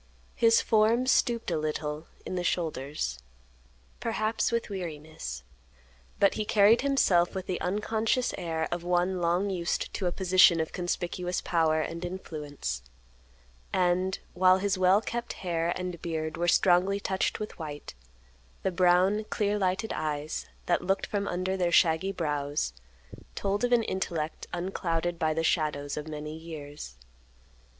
His form stooped a little in the shoulders, perhaps with weariness, but he carried himself with the unconscious air of one long used to a position of conspicuous power and influence; and, while his well kept hair and beard were strongly touched with white, the brown, clear lighted eyes, that looked from under their shaggy brows, told of an intellect unclouded by the shadows of many years.